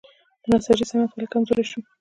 د نساجي صنعت ولې کمزوری شو؟